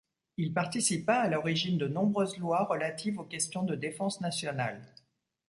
Il participa à l'origine de nombreuses lois relatives aux questions de défense nationale.